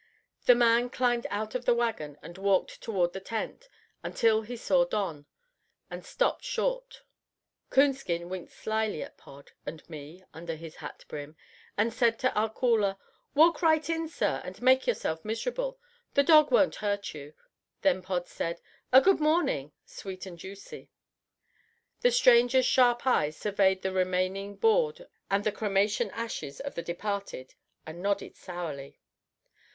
The man climbed out of the wagon and walked toward the tent, until he saw Don, and stopped short. Coonskin winked slyly at Pod and me under his hat brim, and said to our caller, "Walk right in, sir, and make yourself miserable; the dog won't hurt you;" then Pod said a "Good morning" sweet and juicy. The stranger's sharp eyes surveyed the remaining board and the cremation ashes of the departed, and nodded sourly.